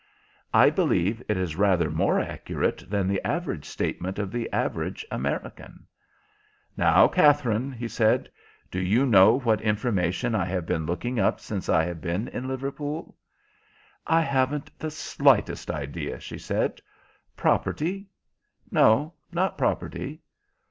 "I believe it is rather more accurate than the average statement of the average American." "Now, Katherine," he said, "do you know what information I have been looking up since I have been in Liverpool?" "I haven't the slightest idea," she said. "Property?" "No, not property."